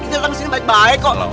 kita datang sini baik baik kok